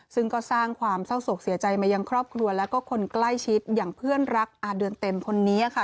ซึ่งก็สร้างความเศร้าโศกเสียใจมายังครอบครัวแล้วก็คนใกล้ชิดอย่างเพื่อนรักอาเดือนเต็มคนนี้ค่ะ